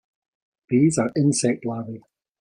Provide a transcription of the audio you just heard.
These are insect Larvae.